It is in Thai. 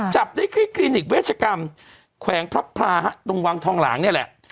จับทัพในคณิตเวชกรรมแขวงพระภราตรงวังทองหลางเนี่ยแหละ